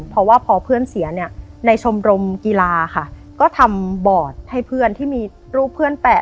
เพราะว่าพอเพื่อนเสียเนี่ยในชมรมกีฬาค่ะก็ทำบอร์ดให้เพื่อนที่มีรูปเพื่อนแปะ